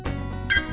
nhưng lại hỏi điều gì